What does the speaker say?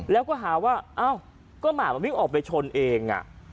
แล้วก็หาว่าอ้าวก็หมามันวิ่งออกไปชนเอง